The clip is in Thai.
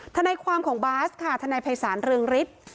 ทนายความของบาสค่ะทนายภัยศาลเรืองฤทธิ์